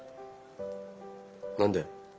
何で？